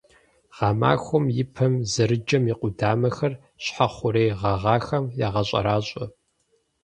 Гъэмахуэм и пэм зэрыджэм и къудамэхэр щхьэ хъурей гъэгъахэм ягъэщӀэращӀэ.